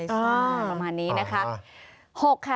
ประมาณนี้นะคะ